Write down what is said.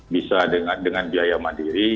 bisa dengan biaya mandiri